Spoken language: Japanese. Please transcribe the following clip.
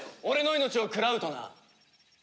俺の命を食らうとな。